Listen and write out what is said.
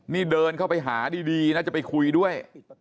นี่เดินเข้าไปหาดีนะจะไปคุยด้วย